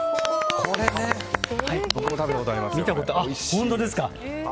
本当ですか。